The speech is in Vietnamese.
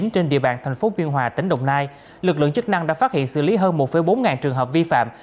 trên địa bàn thành phố biên hòa tỉnh đồng nai lực lượng chức năng đã phát hiện xử lý hơn một bốn ngàn trường hợp vi phạm